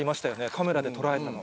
カメラで捉えたの。